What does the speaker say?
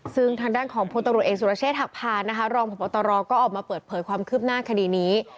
ซึ่งทางด้านของพลตำรวจเอกสุรเชษฐหักพานนะคะรองพบตรก็ออกมาเปิดเผยความคืบหน้าคดีนี้